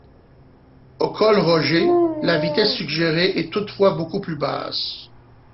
Au col Rogers, la vitesse suggérée est toutefois beaucoup plus basse.